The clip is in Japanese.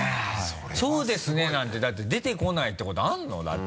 「そうですね」なんてだって出てこないってことあるの？